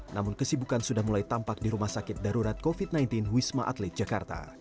namun kesibukan sudah mulai tampak di rumah sakit darurat covid sembilan belas wisma atlet jakarta